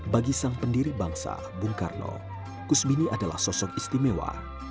bagi sang pendiri bangsa bung karno kusmini adalah sosok istimewa